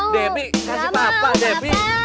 debi kasih papa debi